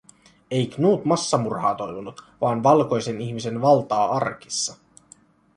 Ei Knut massamurhaa toivonut, vaan valkoisen ihmisen valtaa arkissa.